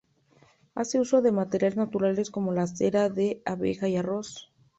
Hace uso de materiales naturales como la cera de abeja y arroz.